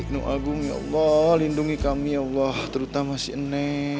nung agung ya allah lindungi kami ya allah terutama si neng